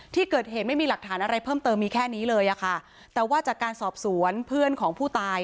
ที่เกิดเหตุไม่มีหลักฐานอะไรเพิ่มเติมมีแค่นี้เลยอะค่ะแต่ว่าจากการสอบสวนเพื่อนของผู้ตาย